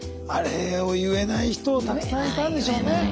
あれを言えない人がたくさんいたんでしょうね。